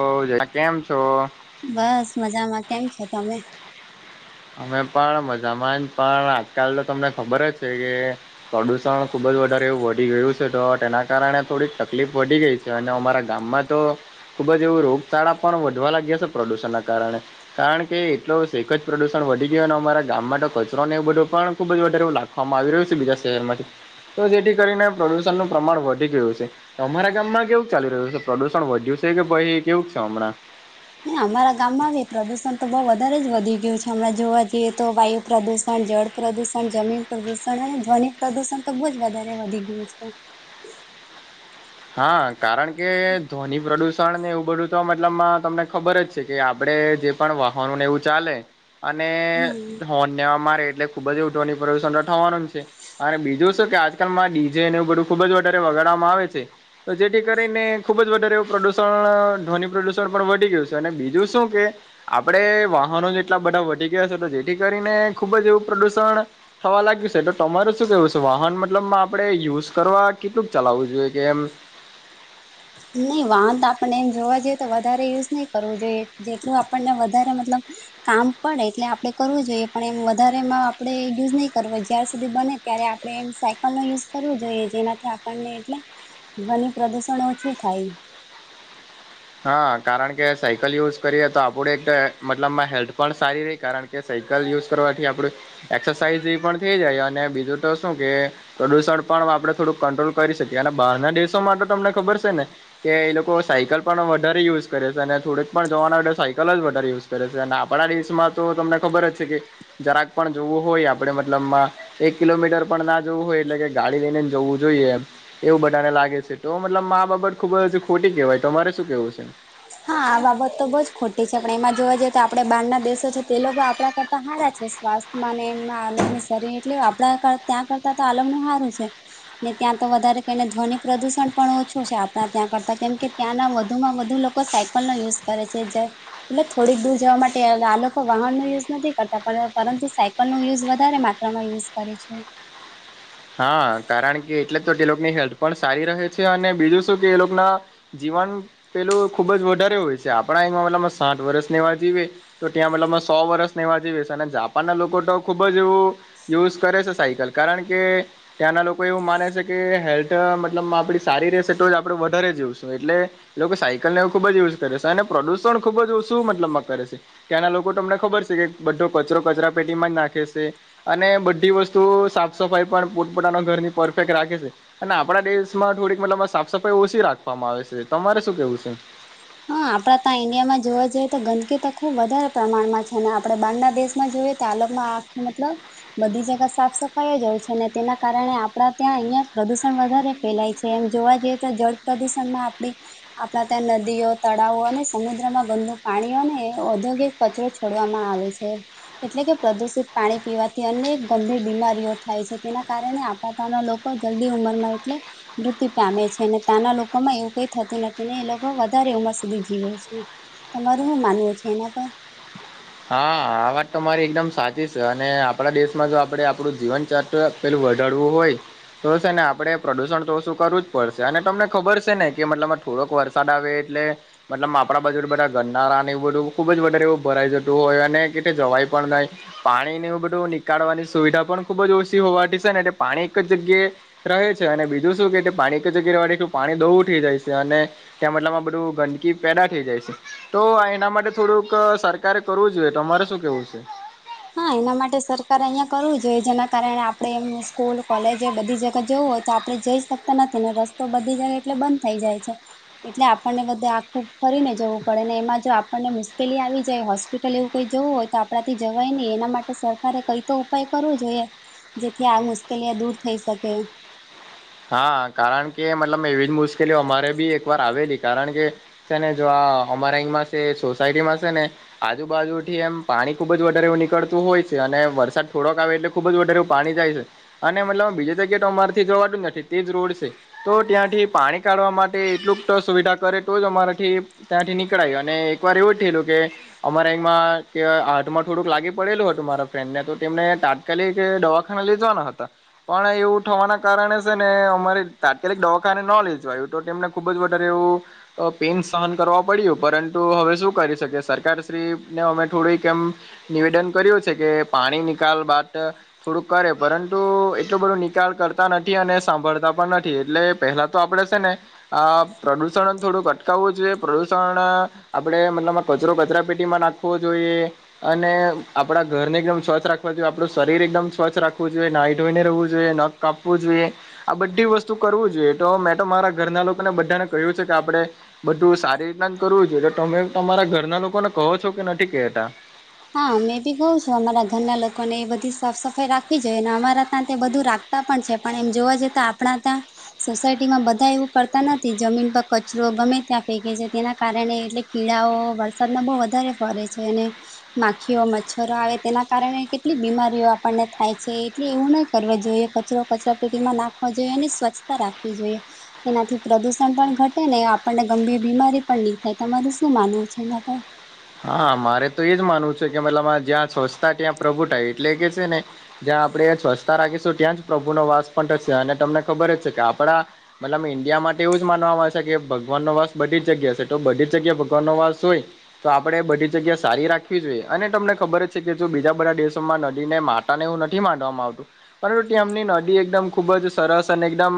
ઓ જ કેમ છો? બસ મજામાં કેમ છો તમે? અમે પણ મજામાં પણ આજકાલ તો તમને ખબર જ છે કે પ્રદુષણ ખુબ જ વધારે એવું વધી ગયું છે તો એના કારણે થોડીક તકલીફ વધી ગઈ અને અમારા ગામમાં તો ખૂબ જ એવું રોગચાળા પણ વધવા લાગ્યા છે પ્રદૂષણના કારણે કારણ કે એટલો શેખ જ પ્રદુષણ વધી ગયું અને અમારા ગામમાં તો કચરો ને એવું બધું પણ ખુબ જ વધારે એવું લખવામાં આવી રહ્યું છે બીજા શહેરમાંથી તો જેથી કરીને પ્રદુષણનું પ્રમાણ વધી ગયું છે. તમારા ગામમાં કેવું ચાલી રહ્યું છે પ્રદુષણ વધ્યું છે કે ભાઈ કેવું છે હમણાં અમારા ગામમાં હ પ્રદુષણ તો બહુ વધારે જ વધી ગયું છે હમણાં જોવા જઈએ તો વાયુ પ્રદુષણ, જળ પ્રદુષણ જમીન પ્રદુષણ અને ધ્વન પ્રદુષણ તો બહુ જ વધારે વધી ગયું છે. હા કારણ કે ધ્વની પ્રદૂષણને એવું બધું તો મતલબમાં તમને ખબર જ છે કે આપણે જે પણ વાહનોને એવું ચાલે અને હમ હોર્ન નેવા મારે એટલે ખુબ જ ધ્વનિની પ્રદુષણ થવાનું છે. અને બીજું શું કે આજકાલમાં ડીજેવું બધું ખુબ જ વધારે વગાડવામાં આવે છે. તો જેથી કરીને ખુબ જ વધારે એવું પ્રદુષણ ધ્વનિ પ્રદુષણ પણ વધી ગયું છે અને બીજું શું કે આપડે વાહનો જેટલા બધા વધી ગયા છે તો જેથી કરીને ખુબ જ એવું પ્રદુષણ થવા લાગ્યું છે એટ તમારે શું કેવું છે વાહન મતલબ આપણે યુઝ કરવા કેટલુંક ચલાવવું જોઈએ કેમ નહી વાંધ આપને એમ જોવા જઈએ તો વધારે યુઝ નહી કરવું જોઈએ જેટલું આપણને વધારે મતલબ કામ પડે એટલે આપડે કરવું જોઈએ પણ એમ વધારે એમાં આપડણે યુઝ નહીં કરવય જ્યાર સુધી બને ત્યારે આપણે એમ સાયકલ નો યુઝ કરવો જોઈએ જેનાથી આપણને એટલે ધ્વનિ પ્રદુષણ ઓછું થાય. હા કારણ કે સાયકલ યુઝ કરીએ તો આપડ એક મતલબમાં હેલ્થ પણ સારી રહી કારણ કે કે સાયકલ યુઝ કરવાથી આપણું એક્સરસાઇઝ એ પણ થઈ જાય અને બીજું તો શું કે પ્રદુષણ પણ આપડણે થોડુંક કંટ્રોલ કરી શકીએ અને બહારના દેશો માટે તો તમને ખબર છે ને કે એ લોકો સાયકલ પણ વધારે યુઝ કરે છે અને થોડેક પણ જવાના માટે સાયકલ જ વધારે યુઝ કરે છે અને આપણા દેશમાં તો તમને ખબર જ છે કે જરાક પણ જોવું હોય આપણેે મતલબમાં એક કિલોમીટર પણ ના જવું હોય એટલે કે ગાડી લઈને જવું જોઈએ એમ એવું બધાને લાગે છે તો મતલબ મા બાબત ખુબ ખોટી કેહેવાય તોરે શું કેવું છે હા આ બાબત તો બહુ જ ખોટી છે પણ એમાં જોવા જઈએ તો આપણેે બહારના દેશો છે તે લોકો આપણા કરતા હારા છે સ્વાસ્થ મને એ આલમની શરી એટલે આપડા ત્યાં કરતા તો આલમું સારું છે. ને ત્યાં તો વધારે કને ધ્વનિ પ્રદુષણ પણ ઓછો છે આપડા ત્યાં કરતા કેમ કે ત્યાંના વધુમાં વધુ લોકો સાયકલ નો યુઝ કરે છે જે એટલે થોડીક દૂર જવા માટે આ લોકો વાહન ન યુઝ નથી કરતા પરંતુ સાઇ પણ યુઝ વધારે માત્રામાં યુઝ કરે છે હા કારણ કે એટલે તો તે લોકોની હેલ્થ પણ સારી રહે છે અને બીજું શું કે એ લોકો ના જીવન પેલું ખુબ જ વધારે હોય છે આપણા અહીં મતલબમાં સાઠ વર્ષ ને એવા જીવે તો ત્યાં મતલબ સો વર્ષ એવા જીવે અને જાપાન ના લોકો તો ખુબ જ યુઝ કરે છે સાયકલ કારણ કે ત્યાંના લોકો એવું માને છે કે હેલ્થ મતલબ આપણી સારી રહેશે તો જ આપણે વધારે જીવશું એટલે લોકો સાયકલ એવું ખુબ જ યુઝ કરે છે અને પ્રદુષણ ખુબ જ ઓછું મતલબમાં કરે છે ત્યાંના લોકો તમને ખબર છે કે બધો કચરો કચરા પેટીમાં જ નાખે છે અને બધી વસ્તુ સાફ સફાઈ પણ પોતપતાના ઘરની પરફેક્ટ રાખે છે અને આપણા દેશમાં થોડીક મતલબમાં સાફ સફાઈ ઓછી રાખવામાં આવે છે તમારે શું કહેવું છે હા આપણા ત્યાં ઈન્ડિયામાં જોવા જઈએ તો ગંદકી તો ખૂબ વધારે પ્રમાણમાં છે અને આપણે બહાર ના દેશમાં જોઈએ પાલકમાં આખે મતલબ બધી જગ્યા સાફ સફાઈ જ હોય છે ને તેના કારણે આપડા ત્યાં અહિયાં પ્રદુષણ વધારે ફેલાય છે એમ જોવા જઈએ તો જળ પ્રદુષણ માં આપડી આપણા ત્યાં નદીઓ તળાવો અને સમુદ્રમાં ગંદુ પાણીઓને ઔદ્યોગિક કચરો છોડવામાં આવે છે એટલે કે પ્રદુષિત પાણી પીવાથી અનેક ગંભીર બીમારીઓ થાય છે તેના કારણે તા ના લોકો જલ્દી ઉંમર માં એટલે મૃત્યુ પામે છે અનેને ત્યાંના લોકો માં એવું કઈ થતું નથી ને એ લોકો વધારે ઉમર સુધી જીવે છે તમારું શું માનવું છે એના પર હા આ વાત તો તમારી એકદમ સાચી છે અને આપણા દેશમાં જો આપડે આપણું જીવનચર પેલું વધારવું હોય તો છે ને આપણે પ્રદુષણ તો ઓછું કરવું જ પડશે અને તમને ખબર છે ને કે મતલબ થોડોક વરસાદ આવે એટલે મતલબ આપડા બાજુ બધા ગરનારાને એવું બધું ખુબ જ વધારે એવું ભરાઈ જતુ તો હોય ને કશે જવાય પણ નહી પાણી એવુ બધું નીકાળવાની સુવિધા પણ ખુબ જ ઓછી હોવાથી છે ને એટલે પાણી એક જ જગ્યાએ રહે છે અને બીજું શું કે પાણી એક જ જગ્યા એ રહેવાથી પાણી દોઢુ થઈ જાય છે અને ત્યાં બતલમાં બધું ગંદકી પેદા થઈ જાય છે તો એના માટે થોડુંક સરકાર કારે કરવું જોઈએ તમારે શું કહેવું છે હા એના માટે સરકારે અહિયા કરવું જોઈએ જેના કારણે આપડે એમ સ્કૂલ કોલેજ બધી જગ્યા જોવુ હોય તો આપણે જઈ શકતા નથી ને રસ્તો બધી જગ્યા એટલે બંધ થઇ જાય છે એટલે આપણને બધે આખું ફરીને જવું પડે ને એમાં જો આપણને મુશ્કેલી આવી જાય હોસ્ હોસ્પિટલ એવું કઈ જવું હોય તો આપણાથી જવાય નહી એના માટે સરકારે કઈ તો ઉપાય કરવો જોઈએ જેથી આ મુશ્કેલીઓ દૂર થઈ શકે હા કારણ કે મતલબ એવી જ મુશ્કેલીઓ અમારે બી એક વાર આવેલી કારણ કે છે ને જો આ અમારા એમાં છે સોસાયટી માં છે ને આજુબાજુ થી એમ પાણી ખુબ જ વધારે એવું નીકળતું હોય છે અને વરસાદ થોડોક આવે એટલે ખુબ જ વધારે પાણી જાય છે અને મતલબ બીજે તો કઈ તો અમારાથી જોવાનું જ નથી તે જ રોડ છે તો ત્યાંથી પાણી કાઢવા માટે એટલુંક સુવિધા કરે તો જ અમારાથી ત્યાંથી નીકળાયું અને એક વાર એવું થયેલું કે અમારા એ હાથમાં થોડુંક લાગી પડેલું હતું મારા ફ્રેન્ડ ને તો તેમને કાલૅ એક દવાખાના લે જવાના હતા પણ એવું થવાના કારણે ને અમારી તાત્કાલિક દવાખાને ન લે જવાયું તો તેમને ખુબ જ વધારે એવું પેન સહન કરવા પડ્યું પરંતુ હવે શું કરી શકે સરકારશ્રીને અમે થોડીકમ નિવેદન કર્યું છે કે પાણી નિકાલ બાદ થોડુંક કરે પરંતુ એટલું બધો નિકાલ કરતા નથી નથી અને સાંભળતા પણ નથી એટલે પહેલા તો આપડે છે ને આ પ્રદુષણ જ થોડું અટકાવવું જોઈએ પ્રદુષણ આપડે મતલબમાં કચરો કચરા પેટીમાં નાખવો જોઈએ અને આપડા ઘરને એકદમ સ્વચ્થ રાખવા જોઈએ આપડું શરીર એકદમ સ્વચ્છ રાખવું જોઈએ ના ધોઈને રહેવું જોઈએ ન કપ વું જોઈએ આ બધી વસ્તુ કરવું જોઈએ તો મેં તો મારા ઘરના લોકોને બધાને કહ્યું છે કે આપડણે બધું સારી રીતના કરવું છેએ એટલે તમે તમારા ઘરના લોકોને કહો છો કે નથી કેહેતા હા મેમે બી કઉ છું અમારા ઘરના લોકોને એ બધી સાફ સફાઈ રાખવી જોઈએ ને અમારા ત્યાં બધું રાખ પણ છે પણ એમ જોવા જઈએ તો આપણા ત્યાં સોસાયટીમાં બધા એવું કરતા નથી જમીન પર કચરો ગમે ત્યાં ફેંકે છે તેના કારણે એટલે કીળાઓ વરસાદમાં બહુ વધારે ફરે છે અને માખીઓ મચ્છરો આવે તેના કારણે કેટલી બીમારીઓ આપણને થાય છે એટલે એવું નહી કર જોઈએ કચરો કચરા પેટીમાં નાખવા જોઈએ અને સ્વચ્છતા રાખવી જોઈએ એનાથી પ્રદુષણ પણ ઘટે ને આપણને ગંભીર બીમારી પણ નહીં થાય તમારું શું માનવું છે એના હા મારે તો એજ માનવું છે કે મતલબ જ્યાં સ્વચસ્થ ત્યાં પ્રભુ થાય એટલે કે છે ને જ્યાં આપણે સ્વચ્છતા રાખીશું ત્યાં જ પ્રભુ નો વાસ પણ થશે અને તમને ખબર જ છે કે આપડા મતલબ ઈન્ડિયા માટે એવું જ માનવામાં આવે છે કે ભગવાનનો વાસ બધી જ જગ્યા છે તો બધી જ જગ્યાએ ભગવાન નો વાસ હોય તો આપણે બધી જગ્યા સારી રાખવી જોઈએ અને તમને ખબર જ છે કે જો બીજા બધા દેશોમાં નદી ને મા ને એું નથી માંડવામાં આવતું પરુ તમની નદી એકદમ ખુબ જ સરસ અને એકદમ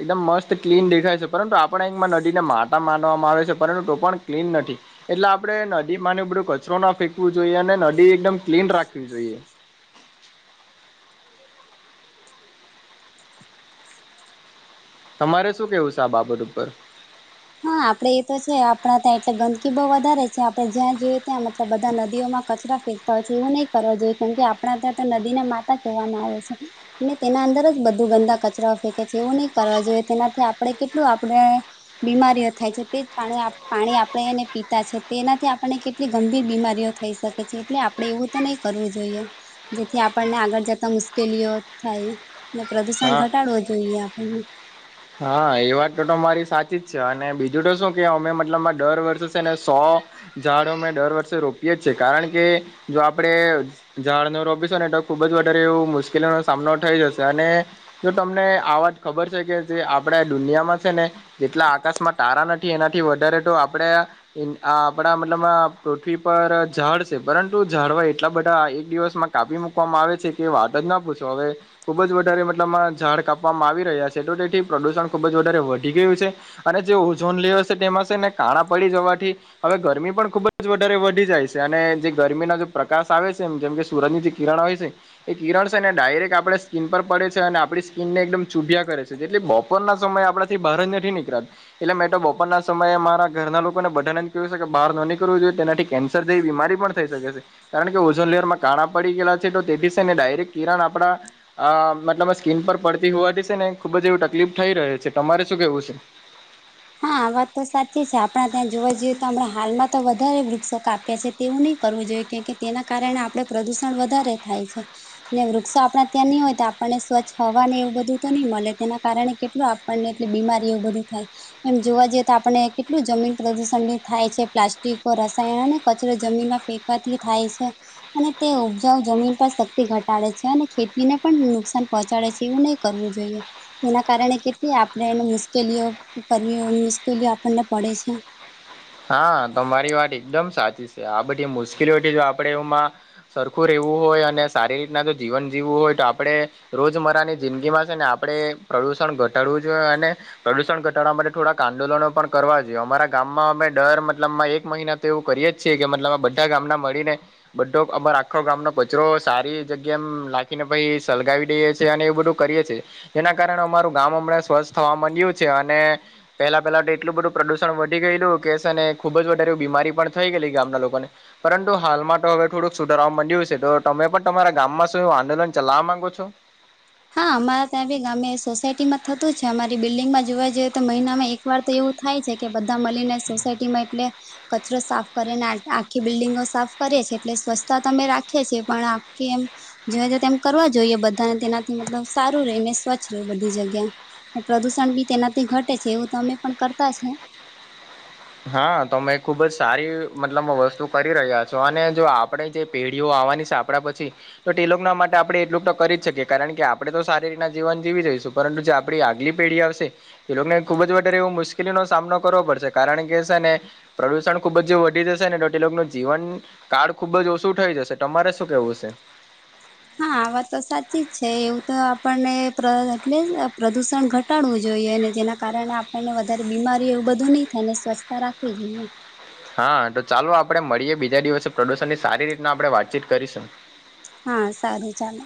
એકદમ મસ્ત ક્લીન દેખાય છે પરંતુ આપણે એકમાં નદીને માટા માનવામાં આવે છે પરંતુ તો પણ ક્લીન નથી એટલે આપડણે નદી માન બધું કચરો ના ફેંકવું જોઈએ અને નદી એકદમ ક્લીન રાખવી જોઈએ તમારે શું કેવું છે આ બાબત ઉપર હા આપડે એ તો છે આપણા ત્યાં એટલે ગંદકી બહુ વધારે છે આપડે જ્યાં જોયએ ત્યાં મતલબ બધા નદીઓમાં કચરા તા હોય છે એવું નહીિ કરવાવ જોઈએ કેમ કે આપણા ત્યાં તો નદી ના માતા કહેવામાં આવે છે ને તેના અંદર જ બધું ગંદા કચરા ફેંકે છે એવું નહીિ કરવા જોઈએ તેનાથી આપણે કેટલું આપણે બીમારીઓ થાય છે તે જ પાણી પાણી આપણે એને પીતા છે તેનાથી આપણને કેટલી ગંભીર બીમારીઓ થઈ શકે એટલે આપડણે એવું તો નહી કરવું જોઈએ જેથી આપણને આગળ જતા મુશ્કેલીઓ થાય પ્રદુષણ હા ઘટાડવો જોઈએ આપણને હા એ વાત તો તો મારી સાચી જ છે અને બીજું તો શું કે અમે મતલબમાં દર વર્ષે છે ને સો ઝાડો અ મેમે દર વર્ષે રોપીએ જ છે કારણ કે જો આપણે ઝાડ નો રોપીશો ને તો ખુબ જ વધારે એવ મુશ્કેલીનોો સામનો થઈ જશે અને જો તમને આવાજ ખબર છે કે જે આપડા દુનિયામાં છે ને જેટલા આકાશમાં તારા નથી એનાથી વધારે તો આપડે આ આપડા મતલબ પૃથ્વી પર ઝાડ છે પરંતુ ઝાડવાય એટલા બધા એક દિવસમાં કાપી મૂકવામાં આવે છે કે વાત જ ના પૂછો હવે ખુબ જ વધારે માં ઝાડ કાપવામાં આવી રહ્યા છે તો તેથી પ્રદૂષણ ખૂબ જ વધારે વધી ગયું છે અને જે ઓઝોન લેર છે તેમાં છે ને કાળા પડી જવાથી હવે ગરમી પણ ખુબ જ વધારે વધી જાય છે અને જે ગરમીના જે પ્રકાશ આવે છે એમ જેમ કે સુરતની જે કિરણ હોય છે એ કિરણ છે ને ડાયરેક્ટ આપણે સ્કીન પર પડે છે અને આપણી સ્કીિનને એકદમ ચૂભ કરે છે એટલે બપોરના સમય આપણાથી બહાર જ નથી નીકળ એટલે મેં તો બપોરના સમયે મારા ઘરના લોકો ને બધાને કું છે કે બહાર ન નીકવ જોઈએ તેનાથી કેન્સર જેવી બીમારી પણ થઈ શકે છે કારણ કે ઓઝોન લેરમાં કાણા પડી ગયેલા છે તો તેથી છે ને ડાયરેક્ટ કિરણ આપડા આ મતલબ સ્કીન પર પડતી હોવાથી છે ને ખુબ જ એવી તકલીફ થઈ ર છે તમારે શું કેવું છે હા વાત તો સાચી છે આપણા ત્યાં જોવા જઈએ તોણા હાલમાં તો વધારે વૃક્ષો કપ કે છે તેવું નહી કરવું જોઈએ કે કે તેના કારણે આપડણે પ્રદુષણ વધારે થાય છે ને વૃક્ષો આપણા ત્યાં નહી હોય તો આપણને સ્વચ્છ હવા ને એવું બધું તો નહી મળે તેના કારણે કેટલું પણને એટલે બીમારીઓ બધું થાય એમ જોવા જઈએ તો આપણે કેટલું જમીન પ્રદૂષણ થાય છે પ્લાસ્ટિક રસાયણ અને કચરો જમીન ફે પતિ થાય છે અને તે ઉપજાઓ જમીન પર શક્તિ ઘટાડે છે અને ખેતી ને પણ નુકસાન પહોચાડે છે એવું નને કરવું જોઈએ તેના કારણે કેટલી આપણે એને મુશ્કેલીઓ કરવી મુશ્કેલીઓ આપણને પડે છે હા તમારી વાત એકદમ સાચી છે આ બધી મુશકેલીઓ આપડે એમાં સરખું રહેવું હોય અને સારી રીતના જો જીવન જીવું હોય તો આપણે રોજમરાની જિંદગીમાં છે ને આપણે પ્રદુષણ ઘટાડવું જોઈએ અને પ્રદૂષણ ઘટાડવા માટે થોડાક આંદોલનો પણ કરવા જોઈએ અમારા ગામમાં અમે ડર મતલબમાં એક મહિના તો એવું કરીએ જ છએ કે મતલબ આ બધા ગામના મળીને બધો અમાર આખો ગામ ન કચરો સારી જગ્યા એમ લખીને પછી સળગાવી દઈએ છ છે અને એ બધું કરીએ છીએ એના કારણે અમારું ગામ અમ સ્વચથ થવા માંડ્યું છે અને પેલા પેલા તો એટલું બધું પ્રદુષણ વધી ગયું કે અને ખુબ જ વધારે બીમારી પણ થઈ ગયલી ગામના લોકો ને પરંતુ હાલમાં તો હવે થોડુંક સુધારાવા માંડ્યું છે તો તમે પણ તમારા ગામમાં શું આંદોલન ચલાવવા માંગો છો હા અમારા ત્યાં બી ગામે સોસાયટીમાં થતું છે અમારી બિલ્ડિંગમાં જોવા જઈએ તો મહિનામાં એક એક વાર તો એવું થાય છે કે બધા મળીને સોસાયટીમાં એટલે કચરો સાફ કરીેને આખી બિલ્ડિંગો સાફ કરીએ છીએ એટલે સ્વચ્છતા ત અમે રાખીએ છીએ પણ આખી એમ જોવા તેમ કરવા જોઈએ બધાને તેનાથી મતલબ સારું ર ને સ્વચ્છ રહે બધી જગ્યા પ્રદૂષણ બી તેનાથી ઘટે છે એવું તો અમે પણ કરતા છે હા તોમે ખુબ જ સારી મતલબ વસ્તુ કરી રહ્યા છો અને જો આપણે જે પેઢીઓ આવાની સા આપ પછી તો ટેલો ના માટે આપણે એટલુંક તો કરી જ શકીએ કારણ કે આપડે તો સારી રી ના જીવન જીવી જોઈશું પરંતુ જે આપ આગલી પેઢી આવશે એ લોકોને ખુબ જ વધારે એવ મુશ્કેલીનોો સામનો કરવો પડશે કારણ કે ને પ્રદુષણ ખુબજ વધી જશે ને ન જીવન કાર્ડ ખુબ જ ઓછું થઈ જશે તમારે શું કેવું છે હા આ વા તો સાચી જ છે એવું તો આપણને એટલે પ્રદુષણ ઘટ ઘટાડવું જોઈએ અને જેના કારણે આપણને વધારે બીમારી એવું બધું નહી થાયને સ્વચ્છતા રાખવી જોઈએ હા તો ચાલો આપડે મળીએ બીજા દિવસે પ્રદુષણ ની સારી રીતના આપણે વાતચીત કરીશું હા સારું ચલે